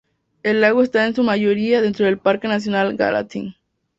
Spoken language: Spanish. El lago esta en su mayoría dentro del Parque nacional Gallatin.